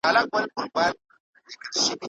له ناوړه ځایونو څخه ځان وساتئ.